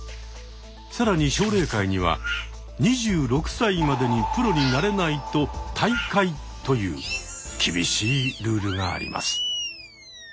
更に奨励会には２６歳までにプロになれないと退会という厳しいルールがあります。